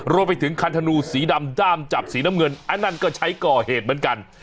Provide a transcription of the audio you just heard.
รวมไปถึงคันธนูสีดำด้ามจับสีน้ำเงินอันนั้นก็ใช้ก่อเหตุเหมือนกัน